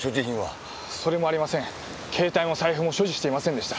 携帯も財布も所持していませんでした。